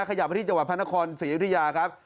ขยับมาที่จังหวัดพระนครศิริยาครับ